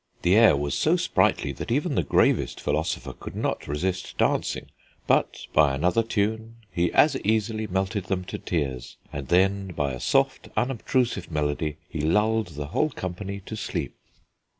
The air was so sprightly that even the gravest philosopher could not resist dancing, but by another tune he as easily melted them to tears, and then by a soft unobtrusive melody he lulled the whole company to sleep."